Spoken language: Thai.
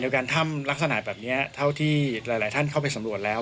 การถ้ำลักษณะแบบนี้เท่าที่หลายท่านเข้าไปสำรวจแล้ว